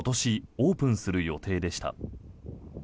オープンする予定でした。